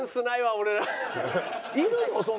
いるの？